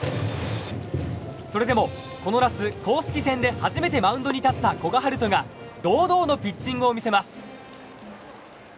それでもこの夏、公式戦で初めてマウンドに立った古賀暖人が堂々のピッチングを見せます。